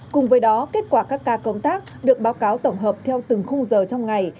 cùng với đó kết quả các ca công tác được báo cáo tổng hợp theo từng khung giờ trong ngày